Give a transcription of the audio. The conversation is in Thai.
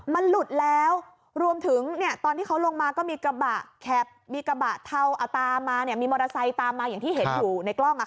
มันหลุดแล้วรวมถึงตอนที่เขาลงมาก็มีกระบะแคบมีกระบะเทามีมอเตอร์ไซส์ตามมาอย่างที่เห็นอยู่ในกล้อง